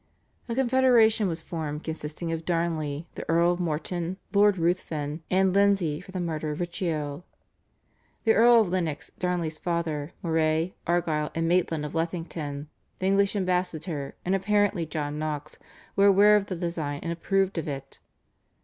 A confederation was formed consisting of Darnley, the Earl of Morton, Lord Ruthven, and Lindsay for the murder of Riccio. The Earl of Lennox Darnley's father, Moray, Argyll, and Maitland of Lethington, the English ambassador, and apparently John Knox, were aware of the design and approved of it.